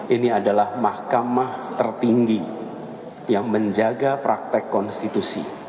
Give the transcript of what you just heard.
ini adalah mahkamah tertinggi yang menjaga praktek konstitusi